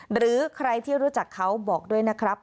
หรือใครที่รู้จักเขาบอกด้วยนะครับ